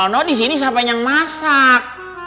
lah lah udah kalau ayang gigi kesel